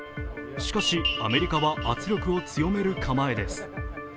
しかし、アメリカは圧力を強める構えです。